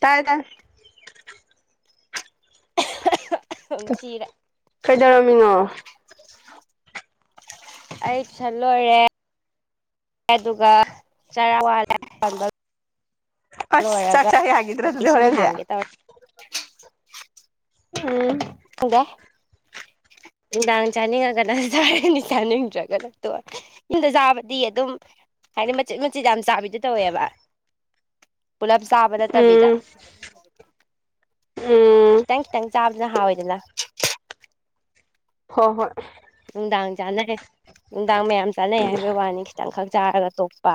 ꯇꯥꯏ ꯇꯥꯏ ꯁꯁꯤꯔ ꯀꯩꯗꯧꯔꯝꯃꯤꯉꯣ ꯑꯩꯤꯁꯜ ꯂꯣꯏꯔꯦ ꯑꯗꯨꯒ ꯆꯔꯥ ꯋꯥꯜꯂꯦ ꯑꯁ ꯆꯥꯛ ꯂꯣꯏꯔꯒ ꯆꯥ ꯌꯥꯒꯤꯗ꯭ꯔꯥ ꯑꯣ ꯑꯗꯨꯗꯤ ꯏꯁꯤꯡ ꯍꯣꯔꯦꯟꯗꯤ ꯊꯥꯡꯒꯦ ꯇꯧꯔ ꯎꯝ ꯍꯗꯦ ꯅꯨꯡꯗꯥꯡ ꯆꯥꯅꯤꯡꯉꯒꯅ ꯇꯣꯏꯔꯒꯅꯤ ꯆꯥꯅꯤꯡꯗ꯭ꯔꯒꯅ ꯇ ꯌꯨꯝꯗ ꯆꯥꯕꯗꯤ ꯑꯗꯨꯝ ꯍꯥꯏꯗꯤ ꯃꯆꯦꯠ ꯃꯆꯦꯠ ꯌꯥꯝ ꯆꯥꯕꯤꯗꯨ ꯇꯧꯋꯦꯕ ꯄꯨꯂꯞ ꯆꯥꯕ ꯅꯠꯇꯕꯤꯗ ꯎꯝ ꯎꯝ ꯈꯤꯇꯪ ꯈꯤꯇꯪ ꯆꯥꯕꯗꯅ ꯍꯥꯎꯋꯦꯗꯅ ꯍꯣꯏ ꯍꯣꯏ ꯅꯨꯡꯗꯥꯡ ꯆꯥꯅꯌꯦ ꯅꯨꯡꯗꯥꯡ ꯃꯌꯥꯝ ꯆꯥꯅꯩ ꯍꯥꯏꯕꯒꯤ ꯋꯥꯅꯤ ꯈꯤꯇꯪꯈꯛ ꯆꯥꯔꯒ ꯇꯣꯛꯄ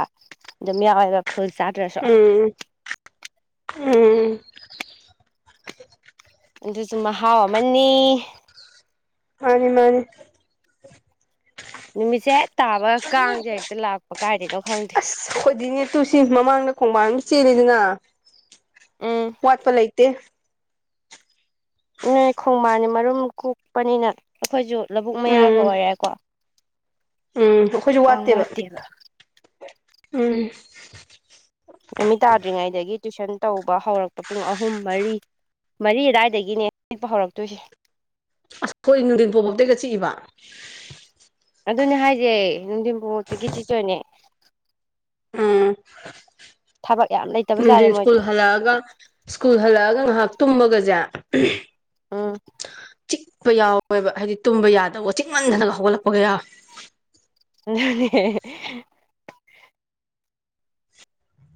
ꯑꯗꯨꯝ ꯌꯥꯎꯋꯦꯕ ꯐꯨꯜ ꯆꯥꯇ꯭ꯔꯁꯨꯣ ꯎꯝ ꯎꯝ ꯑꯗꯨꯁꯨ ꯃꯍꯥꯎ ꯑꯃꯅꯤ ꯑꯅꯤꯃꯥꯟ ꯅꯨꯃꯤꯠꯁꯦ ꯍ ꯇꯥꯕ ꯀꯥꯡꯁꯦ ꯍꯦꯛꯇ ꯂꯥꯛꯄ ꯀꯥꯏꯗꯅꯣ ꯈꯪꯗꯦ ꯑꯁ ꯑꯩꯈꯣꯏꯗꯤꯅꯦ ꯇꯨꯁꯤ ꯃꯃꯥꯡꯗ ꯈꯣꯡꯕꯥꯟꯜ ꯑꯃ ꯆꯦꯜꯂꯤꯗꯅ ꯎꯝ ꯋꯥꯠꯄ ꯂꯩꯇ ꯇꯦꯛ ꯅꯣꯏ ꯈꯣꯡꯕꯥꯟꯅꯤ ꯃꯔꯨꯝ ꯀꯣꯛꯄꯅꯤꯅ ꯑꯩꯈꯣꯏꯁꯨ ꯂꯧꯕꯨꯛ ꯃꯌꯥꯒ ꯎꯝ ꯑꯣꯏꯔꯦꯀꯣ ꯎꯝ ꯑꯩꯈꯣꯏꯁꯨ ꯋꯥꯠꯇꯦꯕ ꯎꯝ ꯅꯨꯃꯤꯠ ꯇꯥꯗ꯭ꯔꯤꯉꯩꯗꯒꯤ ꯇꯨꯏꯁꯟ ꯇꯧꯕ ꯍꯧꯔꯛꯄ ꯄꯨꯡ ꯑꯍꯨꯝ ꯃꯔꯤ ꯃꯔꯤ ꯑꯗꯨꯋꯥꯏꯗꯒꯤꯅꯦ ꯆꯤꯛꯄ ꯍꯧꯔꯛꯇꯣꯏꯁꯦ ꯑꯁꯈꯣꯏ ꯅꯨꯡꯊꯤꯟ ꯐꯥꯎꯕꯇꯩꯒ ꯆꯤꯏꯕ ꯑꯗꯨꯅꯦ ꯍꯥꯏꯁꯦ ꯅꯨꯡꯊꯤꯟ ꯄꯨꯡꯇꯒꯤ ꯆꯤꯇꯣꯏꯅꯦ ꯊꯕꯛ ꯌꯥꯝ ꯎꯝꯗꯤ ꯂꯩꯇꯕꯖꯥꯠꯅꯦ ꯃꯣꯏꯁꯨ ꯁꯀꯨꯜ ꯍꯂꯒ ꯁ꯭ꯀꯨꯜ ꯍꯜꯂꯛꯑꯒ ꯉꯥꯏꯍꯥꯛ ꯇꯨꯝꯃꯒꯁꯦ ꯑꯝ ꯆꯤꯛꯄ ꯌꯥꯎꯋꯦꯕ ꯍꯥꯏꯗꯤ ꯇꯨꯝꯕ ꯌꯥꯗꯕ ꯆꯤꯛꯃꯟꯊꯅꯒ ꯍꯧꯒꯠꯂꯛꯄꯒꯌꯥꯎꯋꯦ ꯑꯅꯦ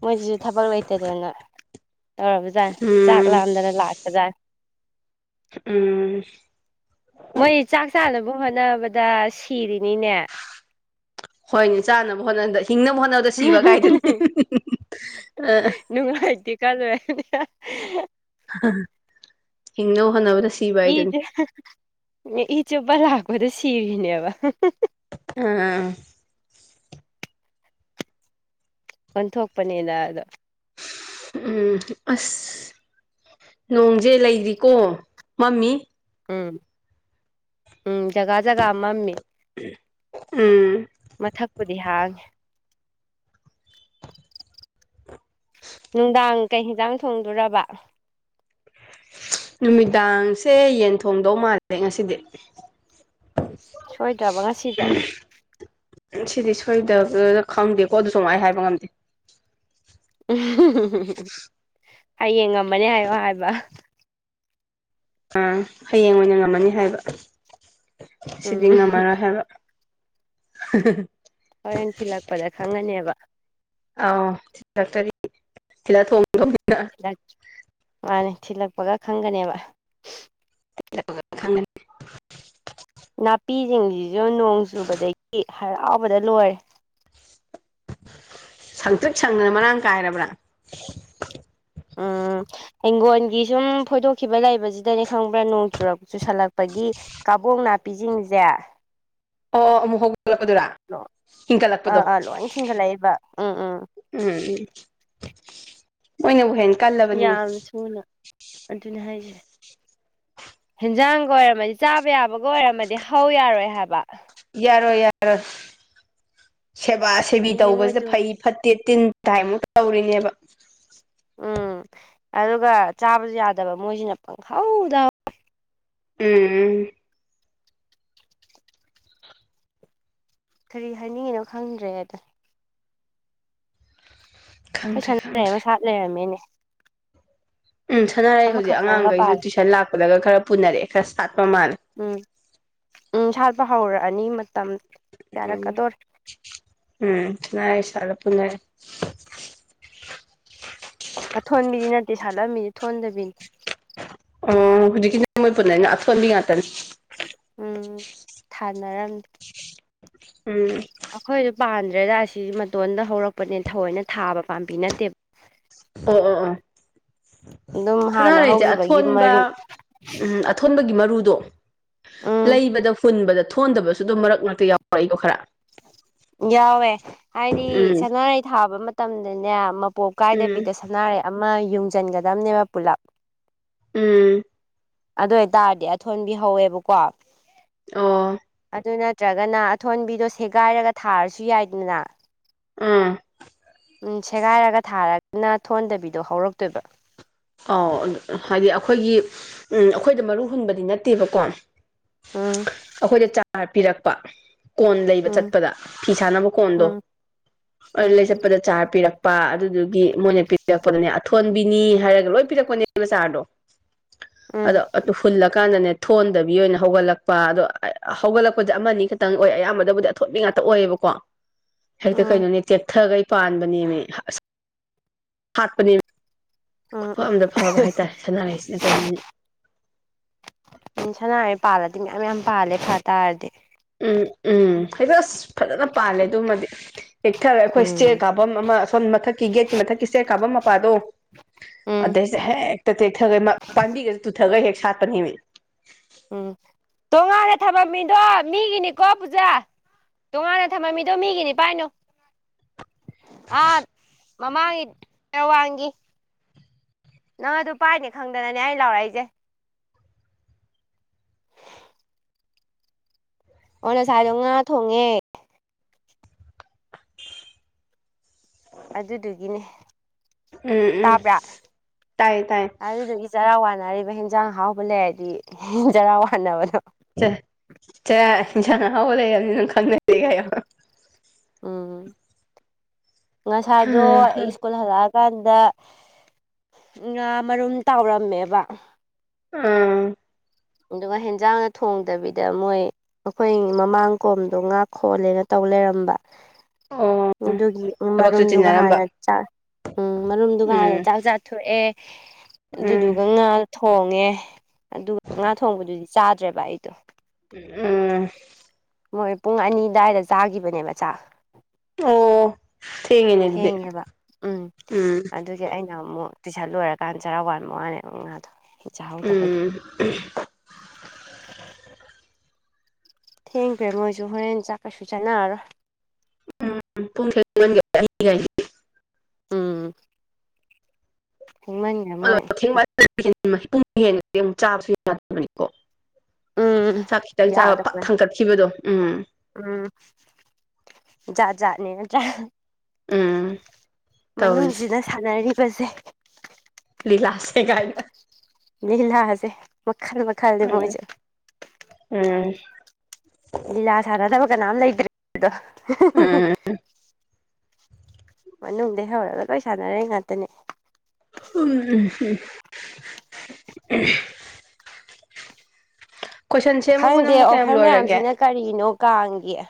ꯃꯣꯏꯁꯤꯁꯨ ꯊꯕꯛ ꯂꯩꯇꯗꯅ ꯇꯧꯔꯕꯖꯦ ꯆꯥꯛ ꯎꯝ ꯂꯥꯝꯗꯅ ꯂꯥꯛꯄꯖꯥꯔ ꯎꯝ ꯃꯣꯏ ꯆꯥꯛ ꯆꯥꯅꯕ ꯍꯣꯠꯅꯕꯗ ꯁꯤꯔꯤꯅꯤꯅꯦ ꯍꯣꯏꯅꯦ ꯆꯥꯅꯕ ꯍꯣꯠꯅꯕꯗ ꯍꯤꯡꯅꯕ ꯍꯣꯠꯅꯕꯗ ꯁꯤꯕ ꯀꯥꯏꯗꯨꯅꯤ ꯑ ꯅꯨꯡꯉꯥꯏꯇꯦ ꯀꯥꯂꯣꯏꯔꯅꯦ ꯍꯤꯡꯅꯕ ꯍꯣꯠꯅꯕꯗ ꯁꯤ ꯏꯆꯦ ꯏꯆꯦꯕ ꯂꯥꯛꯄꯗ ꯁꯤꯔꯤꯅꯦꯕ ꯑꯥ ꯀꯣꯟꯊꯣꯛꯄꯅꯤꯗ ꯑꯗꯣ ꯎꯝ ꯑꯁ ꯅꯣꯡꯁꯦ ꯂꯩꯔꯤꯀꯣ ꯃꯝꯃꯤ ꯎꯝ ꯎꯝ ꯖꯒꯥ ꯖꯒꯥ ꯑꯃ ꯑꯝꯃꯦ ꯎꯝ ꯃꯊꯛꯄꯨꯗꯤ ꯍꯥꯡꯉꯦ ꯅꯨꯡꯗꯥꯡ ꯀꯩ ꯍꯦꯟꯖꯥꯡ ꯊꯣꯡꯗꯔꯕ ꯅꯨꯃꯤꯗꯥꯡꯁꯦ ꯌꯦꯟ ꯊꯣꯡꯗꯧ ꯃꯥꯜꯂꯦ ꯉꯁꯤꯗꯤ [unintelligible] ꯁꯣꯏꯗ꯭ꯔꯕ ꯉꯁꯤꯗꯤ ꯁꯤꯗꯤ ꯁꯣꯏꯗꯕꯅ ꯈꯪꯗꯦꯀꯣ ꯑꯗꯨꯁꯨ ꯑꯩ ꯍꯥꯏꯕ ꯉꯝꯗꯦ ꯎꯝ ꯍꯌꯦꯡ ꯉꯝꯃꯅꯦ ꯍꯥꯏꯌꯣ ꯍꯥꯏꯕ ꯑꯥ ꯍꯌꯦꯡ ꯑꯣꯏꯅ ꯉꯝꯃꯅꯤ ꯍꯥꯏꯕ ꯁꯤꯗꯤ ꯎꯝ ꯉꯝꯃꯔꯣꯏ ꯍꯥꯏꯕ ꯍꯣꯔꯦꯟ ꯊꯤꯜꯂꯛꯄꯗ ꯈꯪꯉꯅꯦꯕ ꯑꯥꯎꯥꯛꯇꯔꯤ ꯁꯤꯤꯗ ꯊꯣꯡ ꯊꯣꯡꯅꯤꯅ ꯃꯥꯅꯦ ꯊꯤꯜꯂꯛꯄꯒ ꯈꯪꯒꯅꯦꯕ ꯈꯪꯒꯅꯤ ꯅꯥꯄꯤꯁꯤꯡꯁꯤꯁꯨ ꯅꯣꯡ ꯆꯨꯕꯗꯒꯤ ꯍꯔꯥꯎꯕꯗ ꯂꯣꯏꯔꯦ ꯁꯪꯇ꯭ꯔꯤꯛ ꯁꯪꯗꯅ ꯃꯔꯥꯡ ꯀꯥꯏꯔꯕ꯭ꯔꯥ ꯑ ꯍꯤꯡꯒꯣꯣꯟꯒꯤ ꯁꯨꯝ ꯐꯣꯏꯗꯣꯛꯈꯤꯕ ꯂꯩꯕꯁꯤꯗꯅꯦ ꯈꯪꯕ꯭ꯔꯥ ꯅꯣꯡ ꯆꯨꯔꯛ ꯆꯨꯁꯜꯂꯛꯄꯒꯤ ꯀꯥꯕꯣꯡ ꯅꯥꯄꯤꯁꯤꯡꯁꯦ ꯑꯣ ꯑꯃꯨꯛ ꯍꯧꯗꯂꯛꯄꯗꯨꯔꯥ ꯑꯥ ꯏꯟꯈꯠꯂꯛꯄꯗꯣ ꯑꯥ ꯂꯣꯏ ꯊꯤꯡꯒꯠꯂꯛꯏꯕ ꯎꯝ ꯎꯝ ꯎꯝ ꯎꯝ ꯃꯣꯏꯅꯕꯨ ꯍꯦ ꯀꯜꯂꯕꯅꯤꯕꯣ ꯁꯨꯅ ꯑꯗꯨꯅꯤ ꯍꯥꯏꯁꯦ ꯍꯟꯖꯥꯡꯒ ꯑꯣꯏꯔꯝꯃꯗꯤ ꯆꯥꯕ ꯌꯥꯕꯒ ꯑꯣꯏꯔꯝꯃꯅꯤ ꯌꯥꯔꯣ ꯌꯥꯔꯣ ꯁꯦꯕꯥ ꯁꯦꯕꯤ ꯑꯗꯨꯅꯦ ꯇꯧꯕꯁꯦ ꯃꯣꯏꯁꯨ ꯐꯩ ꯐꯠꯇꯦ ꯇꯤꯟ ꯀꯥꯏꯃꯨꯛ ꯇꯧꯔꯤꯅꯦꯕ ꯎꯝ ꯑꯗꯨꯒ ꯆꯥꯕꯁꯨ ꯌꯥꯗꯕ ꯃꯣꯏꯁꯤꯅ ꯄꯪꯍꯧꯗ ꯎꯝ ꯀꯔꯤ ꯍꯥꯏꯅꯤꯡꯉꯤꯅꯣ ꯈꯪꯗ꯭ꯔꯦ ꯑꯗ ꯑꯩꯈꯣꯏ ꯈꯪꯗ꯭ꯔꯦ ꯁꯥꯟꯅꯔꯩ ꯈꯪꯗ꯭ꯔꯦ ꯑꯃ ꯁꯥꯠ ꯂꯩꯔꯝꯃꯦꯅꯦ ꯎꯝ ꯁꯥꯟꯅꯔꯛꯦ ꯍꯧꯖꯤꯛ ꯑꯃꯈꯛꯇꯪꯒ ꯑꯉꯥꯡꯈꯩꯁꯨ ꯄꯥꯜꯂꯦ ꯇꯨꯏꯁꯟ ꯂꯥꯛꯄꯗꯒ ꯈꯔ ꯄꯨꯅꯔꯑꯦ ꯈꯔ ꯁꯥꯠꯄ ꯃꯥꯜꯂꯦ ꯎꯝ ꯎꯝ ꯁꯥꯠꯄ ꯍꯧꯔꯛꯑꯅꯤ ꯃꯇꯝ ꯌꯥꯔꯛꯀꯗꯣꯔꯦ ꯎꯝ ꯎꯝꯥꯏꯁꯂꯄꯅ ꯑ ꯊꯣꯟꯕꯤꯗꯤ ꯅꯠꯇꯦ ꯁꯥꯠꯂꯝꯃꯤꯅꯤ ꯊꯣꯟꯗꯕꯤꯅꯤ ꯑꯣ ꯍꯧꯖꯤꯣꯏ ꯑꯁ ꯉꯇꯅꯤ ꯎꯝ ꯊꯥꯅꯔꯝꯦ ꯎꯝ ꯑꯩꯈꯣꯏꯗꯣ ꯄꯥꯟꯗ꯭ꯔꯦꯗ ꯑꯁꯤ ꯃꯇꯣꯟꯗ ꯍꯧꯔꯛꯄꯅꯦ ꯊꯥꯑꯣꯏꯅꯥ ꯊꯥꯕ ꯄꯥꯝꯕꯤ ꯅꯠꯇꯦꯕ ꯑꯣ ꯑꯣ ꯑꯣ ꯑꯗꯨꯝ ꯍꯥꯟꯅ ꯁꯥꯅꯥꯔꯩꯁꯦ ꯍꯧꯈꯤꯕꯒꯤ ꯑꯊꯣꯟꯕ ꯃꯔꯨ ꯎꯝ ꯑꯊꯣꯟꯕꯒꯤ ꯃꯔꯨꯗꯣ ꯎꯝ ꯂꯩꯕꯗ ꯍꯨꯟꯕꯗ ꯊꯣꯟꯗꯕꯁꯨ ꯑꯗꯨꯝ ꯃꯔꯛ ꯃꯔꯛꯇ ꯌꯥꯎꯔ ꯑꯩꯗꯣ ꯈꯔ ꯌꯥꯎꯋꯦ ꯍꯥꯏꯗꯤ ꯎꯝ ꯁꯅꯥꯔꯩ ꯊꯥꯕ ꯃꯇꯝꯗꯅꯦ ꯃꯄꯣꯞ ꯎꯝ ꯀꯥꯏꯗꯕꯤꯗ ꯁꯅꯥꯔꯩ ꯑꯃ ꯌꯨꯡꯁꯤꯟꯒꯗꯕꯅꯦꯕ ꯄꯨꯂꯞ ꯎꯝ ꯑꯗꯨ ꯑꯣꯏꯇꯥꯔꯗꯤ ꯑꯊꯣꯟꯕꯤꯍꯧꯋꯦꯕꯀꯣ ꯑꯣ ꯑꯗꯨ ꯅꯠꯇ꯭ꯔꯒꯅ ꯑꯊꯣꯟꯕꯤꯗꯣ ꯁꯦꯒꯥꯏꯔꯒ ꯊꯥꯔꯁꯨ ꯌꯥꯏꯗꯅ ꯎꯝ ꯎꯝ ꯁꯦꯒꯥꯏꯔꯒ ꯊꯥꯔꯒꯅ ꯊꯣꯟꯗꯕꯤꯗꯣ ꯍꯧꯔꯛꯇꯣꯏꯕ ꯑꯥꯎ ꯍꯥꯏꯗꯤ ꯑꯩꯈꯣꯏꯒꯤ ꯎꯝ ꯑꯩꯈꯣꯏꯗ ꯃꯔꯨ ꯍꯨꯟꯕꯗꯤ ꯅꯠꯇꯦꯕꯀꯣ ꯎꯝ ꯑꯩꯈꯣꯏꯗ ꯆꯥꯔ ꯄꯤꯔꯛꯄ ꯀꯣꯟ ꯂꯩꯕ ꯎꯝ ꯆꯠꯄꯗ ꯐꯤ ꯁꯥꯥꯅꯕ ꯀꯣꯟꯗꯣ ꯎꯝ ꯑꯗꯨ ꯎꯝ ꯂꯩ ꯆꯠꯄꯗ ꯆꯥꯔ ꯄꯤꯔꯛꯄ ꯑꯗꯨꯗꯨꯒꯤ ꯃꯣꯏꯅ ꯄꯤꯔꯛꯄꯗꯅꯦ ꯑꯊꯣꯟꯕꯤꯅꯤ ꯍꯥꯏꯔꯒ ꯂꯣꯌ ꯄꯤꯔꯛꯄꯅꯦꯕꯥ ꯆꯥꯔꯗꯣ ꯎꯝ ꯑꯗꯣ ꯍꯨꯜꯂ ꯀꯥꯟꯗꯅꯦ ꯊꯣꯟꯗꯕꯤ ꯑꯣꯏꯅ ꯍꯧꯒꯠꯂꯛꯄ ꯑꯗꯣ ꯍꯧꯒꯠꯂꯛꯄꯁꯦ ꯑꯃꯅꯤ ꯈꯛꯇꯪ ꯑꯣꯏ ꯑꯌꯥꯝꯕꯗꯕꯨꯗꯤ ꯊꯣꯠꯅꯤꯡ ꯉꯥꯛꯇ ꯑꯣꯏꯌꯦꯕꯀꯣ ꯍꯦꯛꯇ ꯎꯝ ꯀꯩꯅꯣꯅꯦ ꯇꯦꯛꯊꯈꯩ ꯄꯥꯟꯕꯅꯦꯃꯦ ꯍꯥꯠꯄꯅꯦ ꯎꯝ ꯈꯨꯐ ꯑꯝꯗ ꯐꯕ ꯍꯥꯏꯇꯥꯔꯦ ꯁꯅꯥꯔꯩꯁꯤꯅ ꯀꯩꯅꯣꯅꯤ ꯎꯟ ꯁꯅꯔꯩ ꯄꯥꯜꯂꯗꯤ ꯃꯌꯥꯝ ꯌꯥꯝ ꯄꯥꯜꯂꯦ ꯐꯇꯥꯥꯔꯗꯤ ꯎꯝ ꯎꯝ ꯍꯦꯛꯇ ꯑꯁ ꯐꯖꯅ ꯄꯥꯜꯂꯦ ꯑꯗꯨꯃꯗꯤ ꯍꯦꯛꯊꯔ ꯑꯩꯈꯣꯏ ꯁꯦꯠ ꯎꯝ ꯀꯥꯐꯝ ꯑꯃ ꯁꯣꯝ ꯃꯊꯛꯀꯤ ꯒꯦꯠꯀꯤ ꯃꯊꯛꯀꯤ ꯏꯁꯇꯌꯔ ꯀꯥꯐꯝ ꯃꯄꯥꯗꯣ ꯎꯝ ꯑꯗꯩꯁꯦ ꯍꯦꯛꯇ ꯇꯦꯛꯊꯒꯩ ꯄꯥꯝꯕꯤꯒꯩꯁꯦ ꯇꯨꯊꯒꯩ ꯍꯦꯛ ꯁꯥꯠꯄꯅꯦꯃꯤ ꯎꯝ ꯇꯣꯉꯥꯟꯂꯦ ꯊꯕꯝ ꯃꯤꯗꯣ ꯃꯤꯒꯤꯅꯤꯀꯣ ꯄꯨꯖꯥ ꯇꯣꯉꯥꯟꯅ ꯊꯝꯃꯝꯃꯤꯗꯣ ꯃꯤꯒꯤꯅꯤ ꯄꯥꯏꯅꯣ ꯑꯥ ꯃꯃꯥꯡꯒꯤ ꯋꯥꯡꯒꯤ ꯅꯪ ꯑꯗꯨ ꯄꯥꯏꯅꯤ ꯈꯪꯗꯅꯅꯦ ꯑꯩ ꯂꯥꯎꯔꯛꯏꯁꯦ ꯑꯣ ꯉꯁꯥꯏꯗꯣ ꯉꯥ ꯊꯣꯡꯉꯦ ꯑꯗꯨꯗꯨꯒꯤꯅꯦ ꯎꯝ ꯎꯝ ꯇꯥꯕ꯭ꯔꯥ ꯇꯥꯏꯌꯦ ꯇꯥꯏ ꯑꯗꯨꯗꯨꯒꯤ ꯆꯔꯥ ꯋꯥꯅꯔꯤꯕ ꯍꯦꯟꯖꯥꯡ ꯍꯥꯎꯕ ꯂꯩꯔꯗꯤ ꯆꯔꯥ ꯋꯥꯟꯅꯕꯗꯣ ꯆꯦ ꯍꯤꯪꯖꯥꯡ ꯑꯍꯥꯎꯕ ꯂꯩꯔꯕꯅꯤꯅꯥ ꯈꯪꯅꯖꯦꯒ ꯍꯥꯏꯌꯣ ꯎꯝ ꯉꯁꯥꯏꯗꯣ ꯑꯩ ꯏꯁ꯭ꯀꯨꯜ ꯍꯜꯂꯛꯑꯒ ꯀꯥꯟꯗ ꯉꯥ ꯃꯔꯨꯝ ꯇꯥꯎꯔꯝꯃꯦꯕ ꯑꯥ ꯑꯗꯨꯒ ꯍꯦꯟꯖꯥꯡꯒ ꯊꯣꯡꯗꯕꯤꯗ ꯃꯣꯏ ꯑꯩꯈꯣꯏ ꯃꯃꯥꯡ ꯀꯣꯝꯗꯣ ꯉꯥ ꯈꯣꯜꯂꯦꯅ ꯇꯧ ꯂꯩꯔꯝꯕ ꯑꯣ ꯑꯗꯨꯒꯤ ꯊꯕꯛꯁꯨ ꯃꯔꯨꯝꯗꯨ ꯆꯤꯟꯅꯔꯝꯕ ꯉꯍꯥꯟꯅ ꯆꯥ ꯎꯝ ꯃꯔꯨꯝꯗꯨ ꯉꯥꯍꯥꯟꯅ ꯎꯝ ꯆꯥꯛ ꯆꯥꯊꯣꯛꯑꯦ ꯎꯝ ꯑꯗꯨꯗꯨꯒ ꯉꯥ ꯊꯣꯡꯉꯦ ꯑꯗꯨꯒ ꯉꯥ ꯊꯣꯡꯕꯗꯨꯗꯤ ꯆꯥꯗ꯭ꯔꯦꯕ ꯑꯩꯗꯣ ꯎꯝ ꯎꯝ ꯃꯣꯏ ꯄꯨꯡ ꯑꯅꯤ ꯑꯗꯨꯋꯥꯏꯗ ꯆꯥꯈꯤꯕꯅꯦꯕ ꯆꯥꯛ ꯑꯣ ꯊꯦꯡꯉꯦꯅꯦ ꯑꯗꯨꯗꯤ ꯎꯝ ꯍꯧꯖꯤ ꯑꯩꯅ ꯑꯃꯨꯛ ꯇꯨꯏꯁꯟ ꯂꯣꯏꯔꯀꯥꯟ ꯆꯔꯥ ꯋꯥꯟ ꯋꯥꯅꯦꯕ ꯉꯥꯗꯣ ꯆꯥꯍꯧꯗꯕꯒꯤ [inaudible] ꯊꯦꯡꯈ꯭ꯔꯦ ꯃꯣꯏꯁꯨ ꯍꯣꯔꯦꯟ ꯆꯥꯛ ꯀꯩꯁꯨ ꯆꯥꯟꯅꯔꯔꯣꯏ ꯎꯝ ꯄꯨꯡ ꯊꯦꯡꯃꯟꯒꯔꯦ ꯎꯟ ꯊꯦꯡꯃꯟꯒꯔꯦ ꯑꯗꯣ ꯃꯣꯏ ꯊꯦꯡ ꯄꯨꯡ ꯍꯦꯟꯒꯔꯗꯤ ꯆꯥꯕꯁꯨ ꯌꯥꯗꯕꯅꯤꯀꯣ ꯎꯝ ꯆꯥꯛ ꯈꯤꯇꯪ ꯆꯥꯕ ꯄꯛ ꯌꯥꯗꯕ ꯊꯪꯒꯠꯈꯤꯕꯗꯣ ꯎꯝ ꯎꯝ ꯌꯥꯥꯠꯅꯦ ꯎꯝ ꯇꯧꯔꯤꯁꯦ ꯃꯅꯨꯡꯁꯤꯗ ꯁꯥꯟꯅꯔꯤꯕꯁꯦ ꯂꯤꯂꯥꯁꯦ ꯀꯥꯏꯅ ꯂꯤꯂꯥꯁꯦ ꯃꯈꯜ ꯃꯈꯜ ꯎꯝ ꯎꯝ ꯂꯤꯂꯥ ꯁꯥꯟꯅꯗꯕ ꯀꯅꯥꯝ ꯂꯩꯇ꯭ꯔꯦ ꯍꯥꯏꯗꯣ ꯎꯝ ꯃꯅꯨꯡꯗ ꯍꯧꯔꯒ ꯂꯣꯏ ꯁꯥꯟꯅꯔꯤ ꯉꯥꯛꯇꯅꯤ ꯑꯣ [unintelligible] ꯈꯪꯗꯦ ꯅꯪꯕꯨ ꯀꯌꯥꯝ ꯑꯣꯐꯔ ꯂꯣꯏꯔꯒꯦ ꯃꯌꯥꯝꯁꯤꯅ ꯀꯔꯤꯅꯣ ꯀꯥꯡꯒꯤ [unintelligible]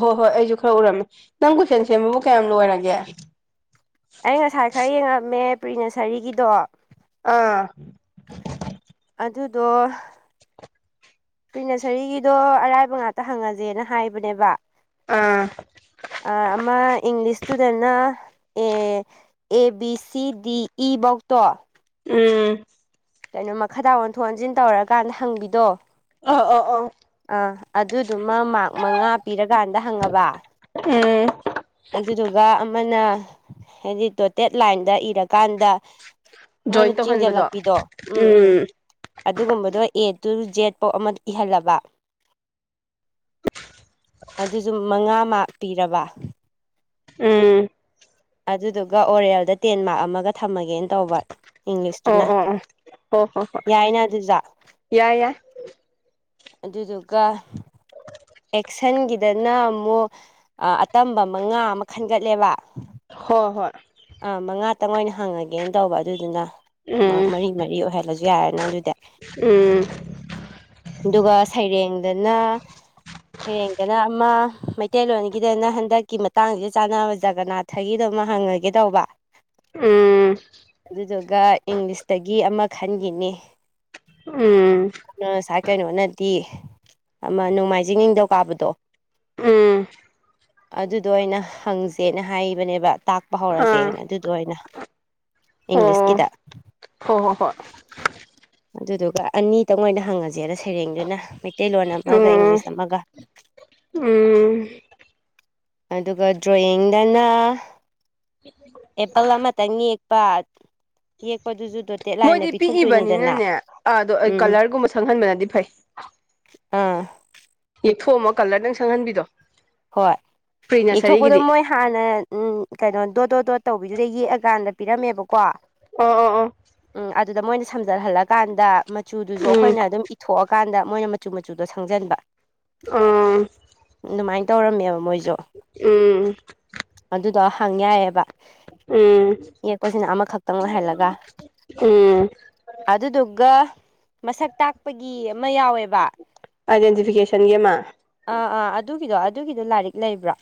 ꯍꯣꯏ ꯍꯣꯏ ꯑꯩꯁꯨ ꯈꯔ ꯎꯔꯝꯃꯦ ꯅꯪ ꯀꯨꯣꯏꯁꯦꯟ ꯁꯦꯝꯕꯕꯨ ꯀꯌꯥꯝ ꯂꯣꯏꯔꯒꯦ ꯑꯩ ꯉꯁꯥꯏ ꯈꯔ ꯌꯦꯡꯉꯝꯃꯦ ꯄ꯭ꯔꯤ ꯅꯁꯔꯤꯒꯤꯗꯣ ꯑꯥ ꯑꯗꯨꯗꯣ ꯄ꯭ꯔꯤ ꯅꯁꯔꯤꯒꯤꯗꯣ ꯑꯔꯥꯏꯕ ꯉꯥꯛꯇ ꯍꯪꯉꯁꯦꯅ ꯍꯥꯏꯕꯅꯦꯕ ꯑꯥ ꯑꯃ English ꯏꯁꯇꯨꯗꯦꯟꯅ A A B C ꯗꯤ ꯏꯕꯧꯇꯣ ꯎꯝ ꯀꯩꯅꯣ ꯃꯈꯥꯗ ꯑꯣꯟꯊꯣꯛ ꯑꯣꯟꯁꯤꯟ ꯇꯧꯔꯀꯥꯟꯗ ꯍꯪꯕꯤꯗꯣ ꯑ ꯑ ꯑ ꯑꯥ ꯑꯗꯨꯗꯨꯃ ꯃꯔ ꯃꯉꯥ ꯄꯤꯔꯀꯥꯟꯗ ꯍꯪꯉꯕ ꯎꯝ ꯑꯗꯨꯗꯨꯒ ꯑꯃꯅ ꯍꯥꯏꯗꯤ ꯇꯣꯇꯦꯠ ꯂꯥꯏꯟꯗ ꯀꯔꯀꯥꯟꯗ ꯃꯣꯏꯅ ꯖꯣꯏꯟ ꯇꯧꯍꯟꯕꯗꯣ ꯆꯤꯡꯁꯤꯜꯂꯛꯄꯤꯗꯣ ꯎꯝ ꯎꯝ ꯑꯗꯨꯒꯨꯝꯕꯗꯣ ꯑꯦ ꯇꯨ ꯖꯦꯠ ꯐꯧ ꯑꯃ ꯏꯍꯜꯂꯕ ꯑꯗꯨꯁꯨ ꯃꯉꯥꯃ ꯄꯤꯔꯕ ꯎꯝ ꯑꯗꯨꯗꯨꯒ ꯑꯣꯔꯦꯜꯗ ꯇꯦꯟ ꯃꯥꯔꯛ ꯑꯃꯒ ꯊꯝꯃꯒꯦꯅ ꯇꯧꯕ ꯑꯣ ꯏꯪꯂꯤꯁꯇꯨꯅ ꯑꯣ ꯑꯣ ꯍꯣ ꯍꯣ ꯍꯣꯏ ꯌꯥꯏꯅ ꯑꯗꯨꯖ ꯌꯥꯏ ꯌꯥꯏ ꯑꯗꯨꯗꯨꯒ ꯑꯦꯛꯁꯟꯒꯤꯗꯅ ꯑꯃꯨꯛ ꯑ ꯑꯇꯝꯕ ꯃꯉꯥ ꯑꯃ ꯈꯟꯒꯠꯂꯦꯕ ꯍꯣꯏ ꯍꯣꯏ ꯑꯥ ꯃꯉꯥ ꯇꯪ ꯑꯣꯏꯅ ꯍꯪꯉꯒꯦꯅ ꯇꯧꯕ ꯑꯗꯨꯗꯨꯅ ꯃꯥ ꯎꯝ ꯃꯔꯤ ꯃꯔꯤ ꯑꯣꯏꯍꯜꯂꯁꯤ ꯌꯥꯔꯦꯅ ꯑꯗꯨꯗꯤ ꯎꯝ ꯑꯗꯨꯒ ꯁꯩꯔꯦꯡꯗꯅ ꯍꯩꯔꯦꯡꯗꯅ ꯑꯃ ꯃꯩꯇꯩꯂꯣꯟꯒꯤꯗꯅ ꯍꯟꯗꯛꯀꯤ ꯃꯇꯥꯡꯁꯤ ꯆꯥꯟꯅꯕ ꯖꯒꯅꯥꯠ ꯊꯒꯤꯗꯣ ꯍꯪꯉꯒꯦ ꯇꯧꯕ ꯎꯝ ꯑꯗꯨꯗꯨꯒ ꯏꯪꯂꯤꯁꯇꯒꯤ ꯑꯃ ꯈꯟꯈꯤꯅꯤ ꯎꯝ ꯑ ꯁꯥ [unintelligible] ꯀꯩꯅꯣꯅꯗꯤ ꯑꯃ ꯅꯣꯡꯃꯥꯏꯖꯤꯡ ꯅꯤꯡꯊꯧꯀꯥꯕꯗꯣ ꯎꯝ ꯑꯗꯨꯗ ꯑꯣꯏꯅ ꯍꯪꯁꯦꯅ ꯍꯥꯏꯕꯅꯦꯕ ꯇꯥꯛꯄ ꯑꯥ ꯍꯧꯔꯁꯦꯅ ꯑꯗꯨꯗ ꯑꯣꯏꯅ ꯏꯪꯂꯤꯁ ꯀꯤꯗ ꯍꯣꯏ ꯍꯣꯏ ꯍꯣꯏ ꯑꯗꯨꯗꯨꯒ ꯑꯅꯤꯇꯪ ꯑꯣꯏꯅ ꯍꯪꯉꯁꯤ ꯐꯖꯦꯗ ꯁꯩꯔꯦꯡꯗꯨꯅ ꯃꯩꯇꯩꯂꯣꯟ ꯑꯃꯒ ꯎꯝ ꯏꯪꯂꯤꯁ ꯑꯃꯒ ꯎꯝ ꯑꯗꯨꯒ ꯗ꯭ꯔꯣꯌꯤꯡꯗꯅ ꯎꯝ [unintelligible] ꯑꯦꯄꯜ ꯑꯃꯇꯪ ꯌꯦꯛꯄ ꯌꯦꯛꯄꯗꯨꯁꯨ ꯗꯣꯇꯦꯠ ꯂꯥꯏꯟꯗ ꯃꯣꯏꯗꯤ ꯄꯤꯊꯣꯛꯇꯣꯏꯅꯤꯗꯅ ꯄꯤꯛꯏꯕꯅꯤꯅꯅꯦ ꯑꯗꯣ ꯑꯩ ꯎꯝ ꯀꯂꯔꯒꯨꯝꯕ ꯁꯪꯍꯟꯕꯅꯗꯤ ꯐꯩ ꯑꯥ ꯌꯦꯛꯊꯣꯛꯑꯝꯃ ꯀꯂꯔꯗꯪ ꯁꯪꯍꯟꯕꯤꯗꯣ ꯍꯣꯏ ꯄ꯭ꯔꯤ ꯏꯊꯣꯛꯄꯗꯣ ꯅꯁꯔꯤꯒꯤꯗꯤ ꯃꯣꯏ ꯍꯥꯟꯅ ꯎꯝ ꯀꯩꯅꯣ ꯗꯣꯠ ꯗꯣꯠ ꯗꯣꯠ ꯇꯧꯕꯤꯗꯨꯗ ꯌꯦꯛꯑꯀꯥꯟꯗ ꯄꯤꯔꯝꯃꯦꯕꯀꯣ ꯑꯣ ꯑꯣ ꯑꯣ ꯎꯝ ꯑꯗꯨꯗ ꯃꯣꯏꯅ ꯁꯝꯖꯜꯍꯜꯂꯀꯥꯟꯗ ꯃꯆꯨꯗꯨꯁꯨ ꯎꯝ ꯑꯩꯈꯣꯏꯅ ꯑꯗꯨꯝ ꯊꯣꯛꯑꯀꯥꯟꯗ ꯃꯣꯏꯅ ꯃꯆꯨ ꯃꯆꯨꯗꯣ ꯁꯪꯖꯟꯕ ꯎꯝ ꯑꯗꯨꯃꯥꯏꯅ ꯇꯧꯔꯝꯃꯦꯕ ꯃꯣꯏꯁꯦ ꯎꯝ ꯑꯗꯨꯗꯣ ꯍꯪ ꯌꯥꯏꯑꯕ ꯎꯝ ꯌꯦꯛꯄꯁꯤꯅ ꯑꯃꯈꯛꯇꯪ ꯑꯣꯏꯍꯜꯂꯒ ꯎꯝ ꯑꯗꯨꯗꯨꯒ ꯃꯁꯛ ꯇꯥꯛꯄꯒꯤ ꯑꯃ ꯌꯥꯎꯋꯦꯕ ꯑꯥꯏꯗꯦꯟꯇꯤꯐꯤꯀꯦꯁꯟꯒꯤ ꯑꯃ ꯑꯥ ꯑꯥ ꯑꯗꯨꯒꯤꯗꯣ ꯑꯗꯨꯒꯤꯗꯣ ꯂꯥꯏꯔꯤꯛ ꯂꯩꯕ꯭ꯔꯥ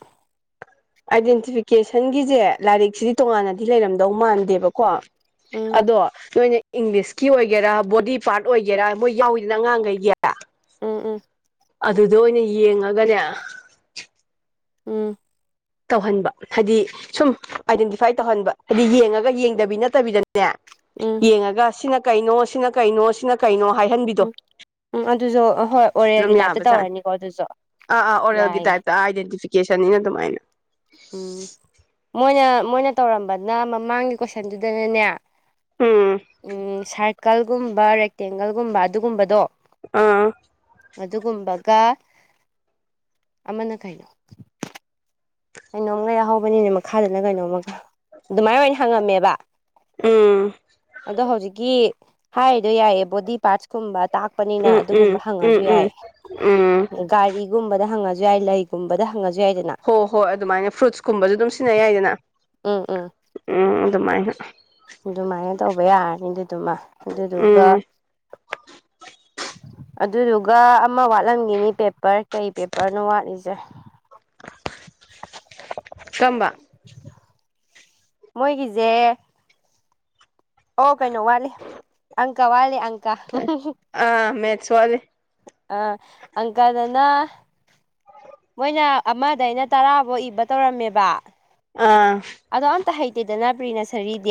ꯑꯥꯏꯗꯦꯟꯇꯤꯐꯤꯀꯦꯁꯟꯒꯤꯁꯦ ꯂꯥꯏꯔꯤꯛꯁꯤꯗꯤ ꯇꯣꯉꯥꯟꯅꯗꯤ ꯂꯩꯔꯝꯗꯧ ꯃꯥꯟꯗꯦꯕꯀꯣ ꯎꯝ ꯑꯗꯣ ꯅꯣꯏꯅ ꯏꯪꯂꯤꯁꯀꯤ ꯑꯣꯏꯒꯦꯔꯥ ꯕꯣꯗꯤ ꯄꯥꯔꯠ ꯑꯣꯏꯒꯦꯔꯥ ꯃꯣꯏ ꯌꯥꯎꯋꯤꯗꯅ ꯑꯉꯥꯡꯈꯩꯒꯤ ꯎꯝ ꯎꯝ ꯑꯗꯨꯗ ꯑꯣꯏꯅ ꯌꯦꯡꯉꯒꯅꯦ ꯎꯝ ꯇꯧꯍꯟꯕ ꯍꯥꯏꯗꯤ ꯁꯨꯝ ꯑꯥꯏꯗꯦꯟꯇꯤꯐꯥꯏ ꯇꯧꯍꯟꯕ ꯍꯥꯏꯗꯤ ꯌꯦꯡꯉꯒ ꯌꯦꯡꯗꯕꯤ ꯅꯠꯇꯕꯤꯗꯅ ꯅꯦ ꯎꯝ ꯌꯦꯡꯉꯒ ꯁꯤꯅ ꯀꯩꯅꯣ ꯁꯤꯅ ꯀꯩꯅꯣ ꯁꯤꯅ ꯀꯩꯅꯣ ꯍꯥꯏꯍꯟꯕꯤꯗꯣ ꯎꯝ ꯎꯝ ꯑꯗꯨꯁꯨ ꯍꯣꯏ ꯑꯗꯨꯝ ꯑꯣꯔꯦꯜꯒꯤ ꯇꯥꯏꯞꯇ ꯌꯥꯕꯖꯥꯠꯅꯤ ꯇꯧꯔꯅꯤꯀꯣ ꯑꯗꯨꯁꯨ ꯑꯥ ꯑꯥ ꯑꯣꯔꯦꯜꯒꯤ ꯌꯥꯏꯌꯦ ꯇꯥꯏꯞꯇ ꯑꯥꯏꯗꯦꯟꯇꯤꯐꯤꯀꯦꯁꯟꯅꯤꯅ ꯑꯗꯨꯃꯥꯏꯅ ꯎꯝ ꯃꯣꯏꯅ ꯃꯣꯏꯅ ꯇꯧꯔꯝꯕꯅ ꯃꯃꯥꯡꯒꯤ ꯀꯣꯏꯁꯟꯗꯨꯗꯅꯅꯦ ꯎꯝ ꯁꯥꯔꯀꯜꯒꯨꯝꯕ ꯔꯦꯛꯇꯦꯡꯒꯜꯒꯨꯝꯕ ꯑꯗꯨꯒꯨꯝꯕꯗꯣ ꯑꯥ ꯑꯗꯨꯒꯨꯝꯕ ꯗ ꯑꯃꯅ ꯀꯩꯅꯣ ꯀꯩꯅꯣꯝꯒꯩ ꯌꯥꯍꯧꯕꯅꯤꯅꯦ ꯃꯈꯥꯗꯅ ꯀꯩꯅꯣꯝꯃ ꯑꯗꯨꯃꯥꯏꯅ ꯑꯣꯏꯅ ꯍꯪꯉꯝꯃꯦꯕ ꯎꯝ ꯑꯗꯣ ꯍꯧꯖꯤꯛꯀꯤ ꯍꯥꯏꯗꯣ ꯌꯥꯏꯌꯦ ꯕꯣꯗꯤ ꯄꯥꯔꯠꯁꯀꯨꯝꯕ ꯇꯥꯛꯄꯅꯤꯅ ꯎꯝ ꯎꯝ ꯑꯗꯨꯒꯨꯝꯕ ꯎꯝ ꯍꯪꯉꯁꯨ ꯎꯝ ꯌꯥꯏꯌꯦ ꯎꯝ ꯎ ꯒꯥꯔꯤꯒꯨꯝꯕꯗ ꯍꯪꯉꯁꯨ ꯌꯥꯏ ꯂꯩꯒꯨꯝꯕꯗ ꯍꯪꯉꯁꯨ ꯌꯥꯏꯗꯅ ꯍꯣꯏ ꯍꯣꯏ ꯑꯗꯨꯃꯥꯏꯅ ꯐ꯭ꯔꯨꯠꯁꯀꯨꯝꯕꯁꯨ ꯑꯗꯨꯝ ꯁꯤꯖꯤꯟꯅ ꯌꯥꯏꯗꯅ ꯎꯝ ꯎꯝ ꯎꯝ ꯑꯗꯨꯃꯥꯏꯅ ꯑꯗꯨꯃꯥꯏꯅ ꯇꯧꯕ ꯌꯥꯔꯅꯤ ꯑꯗꯨꯗꯨꯃ ꯑꯗꯨꯗꯨꯒ ꯎꯝ ꯑꯗꯨꯗꯨꯒ ꯑꯃ ꯋꯥꯠꯂꯝꯈꯤꯅꯤ ꯄꯦꯄꯔ ꯀꯩ ꯄꯦꯄꯔꯅꯣ ꯋꯥꯠꯂꯤꯁꯦ [inaudible] ꯀꯝꯕ ꯃꯣꯏ ꯒꯤꯖꯦ ꯑꯣ ꯀꯩꯅꯣ ꯋꯥꯠꯂꯤ ꯑꯪꯀ ꯋꯥꯠꯂꯤ ꯑꯪꯀ ꯑꯥ ꯃꯦꯠꯁ ꯋꯥꯠꯂꯤ ꯑ ꯑꯪꯀꯗꯅꯥ ꯃꯣꯏꯅ ꯑꯃꯗꯩꯅ ꯇꯔꯥꯐꯧ ꯏꯕ ꯇꯧꯔꯝꯃꯦꯕ ꯑꯥ ꯑꯗꯣ ꯑꯝꯇ ꯍꯩꯇꯦꯗꯅ ꯄ꯭ꯔꯤ ꯅꯁꯔꯤꯗꯤ